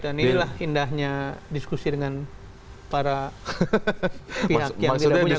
dan inilah indahnya diskusi dengan para pihak yang tidak punya kepentingan